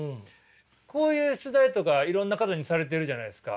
こういう取材とかいろんな方にされてるじゃないですか。